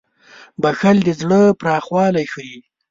• بښل د زړه پراخوالی ښيي.